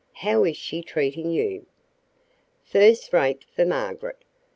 How is she treating you?" "First rate, for Margaret.